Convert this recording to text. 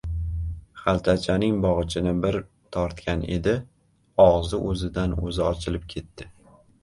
Xaltachaning bog‘ichini bir tortgan edi, og‘zi o‘zidan-o‘zi ochilib ketdi.